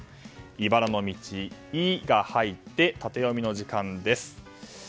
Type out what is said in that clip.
イバラの道「イ」が入ってタテヨミの時間です。